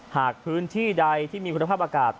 หากพื้นที่ใดที่มีคุณภาพอากาศ